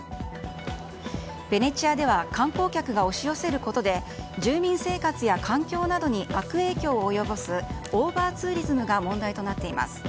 ベネチアでは観光客が押し寄せることで住民生活や環境などに悪影響を及ぼすオーバーツーリズムが問題となっています。